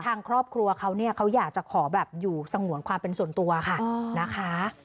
ทางครอบครัวเขาเนี่ยเขาอยากจะขอแบบอยู่สงวนความเป็นส่วนตัวค่ะนะคะ